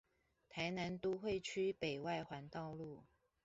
臺南都會區北外環道路